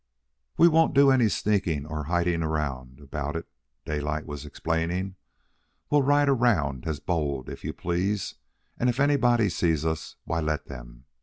"We won't do any sneaking or hiding around about it," Daylight was explaining. "We'll ride around as bold if you please, and if anybody sees us, why, let them.